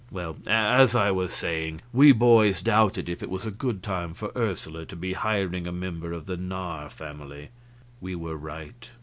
Well, as I was saying, we boys doubted if it was a good time for Ursula to be hiring a member of the Narr family. We were right.